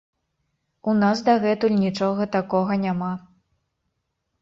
У нас дагэтуль нічога такога няма.